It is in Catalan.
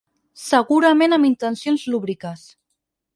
Segurament amb intencions lúbriques.